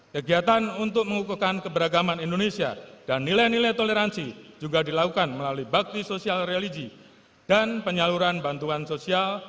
kegiatan untuk mengukuhkan keberagaman indonesia dan nilai nilai toleransi juga dilakukan melalui bakti sosial religi dan penyaluran bantuan sosial